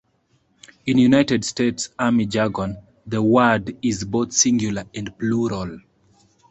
In United States Army jargon, the word is both singular and plural.